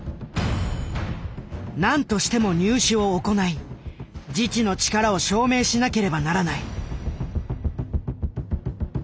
何としても入試を行い自治の力を証明しなければならない。